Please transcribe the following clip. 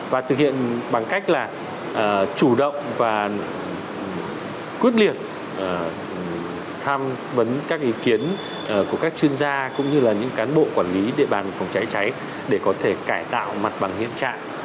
và thực hiện bằng cách là chủ động và quyết liệt tham vấn các ý kiến của các chuyên gia cũng như là những cán bộ quản lý địa bàn phòng cháy cháy để có thể cải tạo mặt bằng hiện trạng